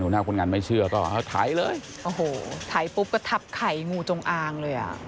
หน้าคนงานไม่เชื่อก็เอาไถเลยโอ้โหถ่ายปุ๊บก็ทับไข่งูจงอางเลยอ่ะ